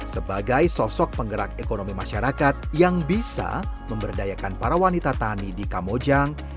sebagai sosok penggerak ekonomi masyarakat yang bisa memberdayakan para wanita tani di kamojang